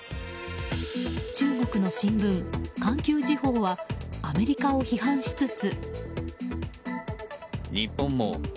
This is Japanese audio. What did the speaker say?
中国の新聞、環球時報はアメリカを批判しつつ。